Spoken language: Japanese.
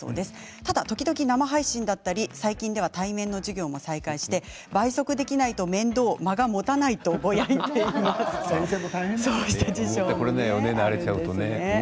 ただ時々、生配信だったり最近では対面の授業も再開されて倍速できないと面倒間がもたないとぼやいています。